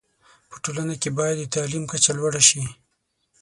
په ټولنه کي باید د تعلیم کچه لوړه شی